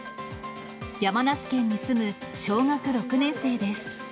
山梨県に住む小学６年生です。